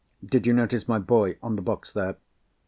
Did you notice my boy—on the box, there?"